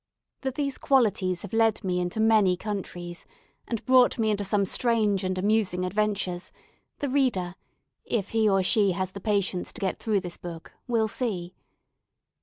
That these qualities have led me into many countries, and brought me into some strange and amusing adventures, the reader, if he or she has the patience to get through this book, will see.